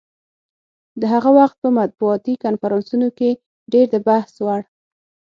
د هغه وخت په مطبوعاتي کنفرانسونو کې ډېر د بحث وړ.